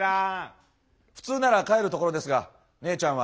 普通なら帰るところですが姉ちゃんは帰りません。